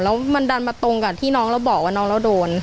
แล้วมันดันมาตรงกับที่น้องเราบอกว่าน้องเราโดน